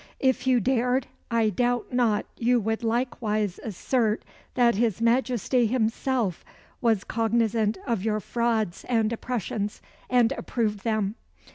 If you dared, I doubt not you would likewise assert that his Majesty himself was cognisant of your frauds and oppressions, and approved them."